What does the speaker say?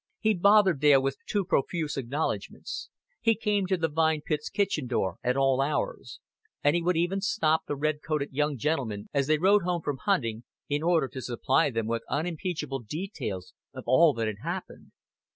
He bothered Dale with too profuse acknowledgments; he came to the Vine Pits kitchen door at all hours; and he would even stop the red coated young gentlemen as they rode home from hunting, in order to supply them with unimpeachable details of all that had happened.